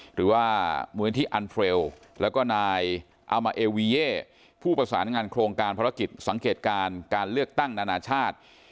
หรือว่ามูลนิธิอันเฟรลแล้วก็นายอามาเอวีเย่ผู้ประสานงานโครงการภารกิจสังเกตการการเลือกตั้งนานาชาติ